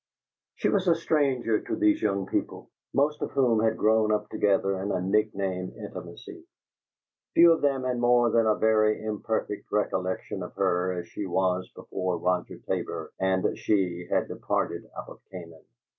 She was a stranger to these young people, most of whom had grown up together in a nickname intimacy. Few of them had more than a very imperfect recollection of her as she was before Roger Tabor and she had departed out of Canaan.